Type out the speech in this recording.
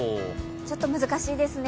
ちょっと難しいですね。